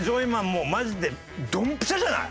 もうマジでドンピシャじゃない？